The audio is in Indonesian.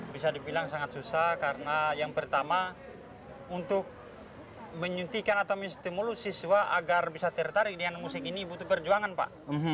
bisa dibilang sangat susah karena yang pertama untuk menyuntikkan atau menstimulus siswa agar bisa tertarik dengan musik ini butuh perjuangan pak